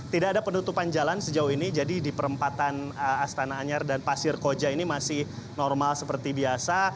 tidak ada penutupan jalan sejauh ini jadi di perempatan astana anyar dan pasir koja ini masih normal seperti biasa